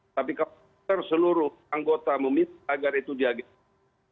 tapi seluruh anggota meminta agar itu diagetkan